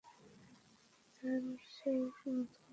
তার সেই মধুর কন্ঠ।